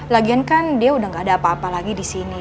lagian kan dia udah gak ada apa apa lagi di sini